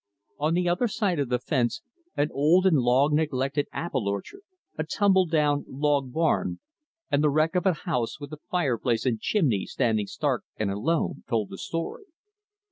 On the other side of the fence, an old and long neglected apple orchard, a tumble down log barn, and the wreck of a house with the fireplace and chimney standing stark and alone, told the story.